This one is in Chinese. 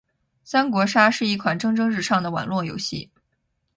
三国杀是一款蒸蒸日上的网络游戏。